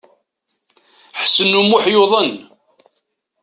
Ḥsen U Muḥ yuḍen.